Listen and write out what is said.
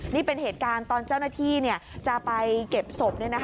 นี่เป็นเหตุการณ์ตอนเจ้าหน้าที่จะไปเก็บศพ